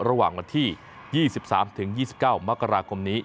ระหว่างวันที่๒๓๒๙มกราคมนี้